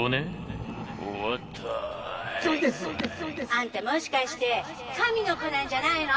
「あんたもしかして神の子なんじゃないの？」。